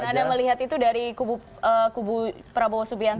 dan anda melihat itu dari kubu prabowo subiangka